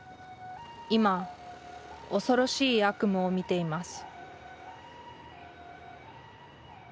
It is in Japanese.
今恐ろしい「悪夢」を見ています